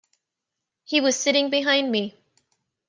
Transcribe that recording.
He was sitting behind me.